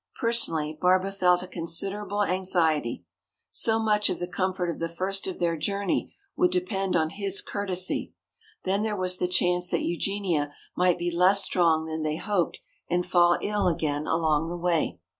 Personally, Barbara felt a considerable anxiety. So much of the comfort of the first of their journey would depend on his courtesy. Then there was the chance that Eugenia might be less strong than they hoped and fall ill again along the way.